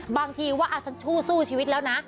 บางทีว่าฉันสู้ชีวิตแล้วนะ